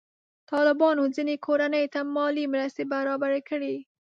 طالبانو ځینې کورنۍ ته مالي مرستې برابرې کړي.